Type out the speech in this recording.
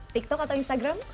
tiktok atau instagram